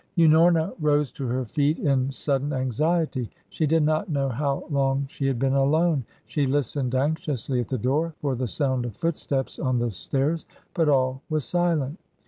Unorna rose to her feet in sudden anxiety. She did not know how long she had been alone. She listened anxiously at the door for the sound of footsteps on the stairs, but all was silent.